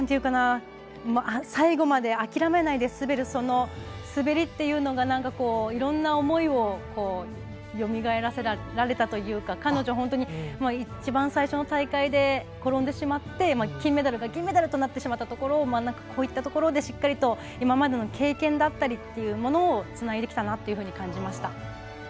最後まで諦めないで滑るその滑りっていうのがいろんな思いをよみがえらせられたというか彼女、一番最初の大会で転んでしまって金メダルが銀メダルとなってしまったところをこういったところで、しっかりと今までの経験だったりってものをつないできたなと感じました。